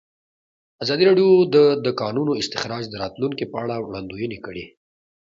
ازادي راډیو د د کانونو استخراج د راتلونکې په اړه وړاندوینې کړې.